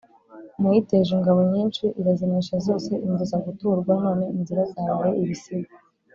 Nayiteje ingabo nyinshi irazinesha zose, imbuza guturwa; none inzira zabaye ibisibe